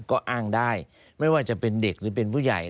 ก็อ้างได้ไม่ว่าจะเป็นเด็กหรือเป็นผู้ใหญ่